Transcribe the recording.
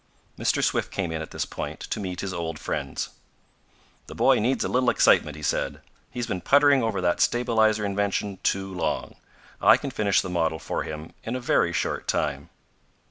Mr. Swift came in at this point to meet his old friends. "The boy needs a little excitement," he said. "He's been puttering over that stabilizer invention too long. I can finish the model for him in a very short time."